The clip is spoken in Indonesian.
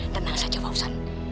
tenang saja fawzan